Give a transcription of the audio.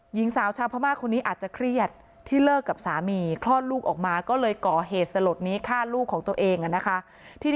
หญิงสาวชาวพระมาคคนนี้อาจจะเครียดที่เลิกกับสามี